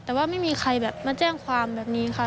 แต่ว่าไม่มีใครแบบมาแจ้งความแบบนี้ค่ะ